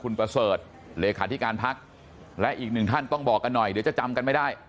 คุณพูมทำนะครับความหัวหน้าพักคุณเป้าธรรม